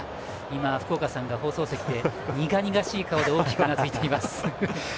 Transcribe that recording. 今、福岡さんが放送席で苦々しい顔で大きくうなずいています。